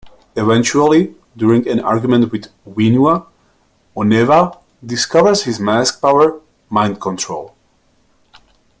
Eventually, during an argument with Whenua, Onewa discovers his mask power, mind-control.